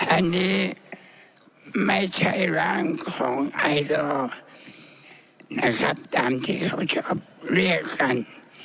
อันนี้ไม่ใช่ร่างของไอดอลนะครับตามที่เขาชอบเรียกกัน